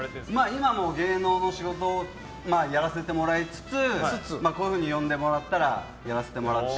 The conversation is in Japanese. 今も芸能の仕事をやらせてもらいつつこういうふうに呼んでもらったらやらせてもらって。